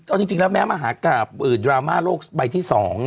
เอาจริงแล้วแม้มหากราบดราม่าโลกใบที่๒